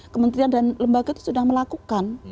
kementerian dan lembaga itu sudah melakukan